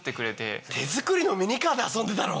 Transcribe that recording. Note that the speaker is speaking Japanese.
手作りのミニカーで遊んでたの？